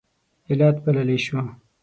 علت بللی شو.